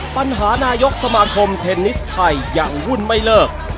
นายกสมาคมเทนนิสไทยยังวุ่นไม่เลิก